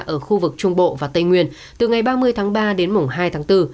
ở khu vực trung bộ và tây nguyên từ ngày ba mươi tháng ba đến mùng hai tháng bốn